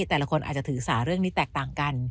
แต่ละคนอาจจะถือสาเรื่องนี้แตกต่างกัน